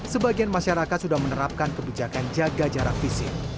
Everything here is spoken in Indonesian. sebagian masyarakat sudah menerapkan kebijakan jaga jarak fisik